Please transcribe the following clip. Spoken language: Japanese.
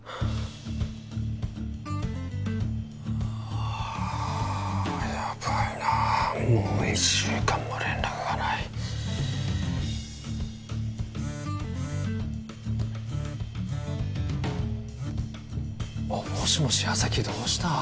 ああヤバいなもう１週間も連絡がないもしもし矢崎どうした？